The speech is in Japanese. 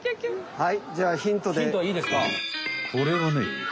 はい。